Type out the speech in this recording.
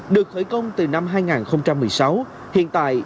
được khởi công từ năm hai nghìn một mươi sáu